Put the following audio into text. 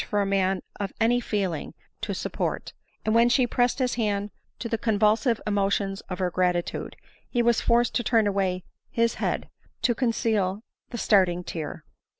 161 for a man of any feeling to support ; and when she press ed his hand in die convulsive emotions of her gratitude, he was forced to turn away his head to conceal the start ing tear.